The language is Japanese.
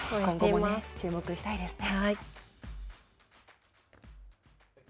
今後に注目したいですね。